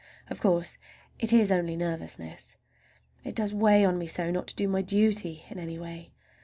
Of course it is only nervousness. It does weigh on me so not to do my duty in any way!